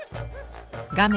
画面